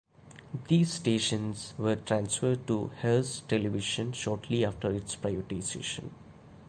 These stations were transferred to Hearst Television shortly after its privatization.